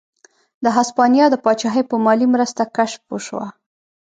د هسپانیا د پاچاهۍ په مالي مرسته کشف وشوه.